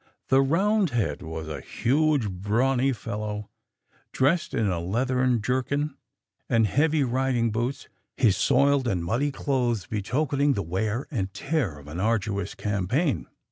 The Roundhead was a huge, brawny fellow, dressed in a leathern jerkin and heavy riding boots his soiled and muddy clothes betokening the wear and tear of an arduous campaign.